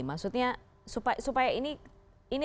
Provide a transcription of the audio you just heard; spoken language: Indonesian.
maksudnya supaya ini